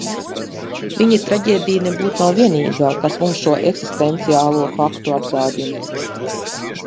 Viņa traģēdija nebūt nav vienīgā, kas mums šo eksistenciālo faktu atgādina.